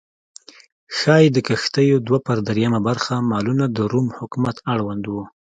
ښايي د کښتیو دوه پر درېیمه برخه مالونه د روم حکومت اړوند و